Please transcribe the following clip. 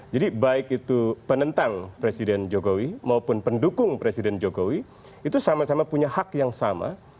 jadi baik itu penentang presiden jokowi maupun pendukung presiden jokowi itu sama sama punya hak yang sama